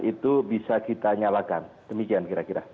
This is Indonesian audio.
itu bisa kita nyalakan demikian kira kira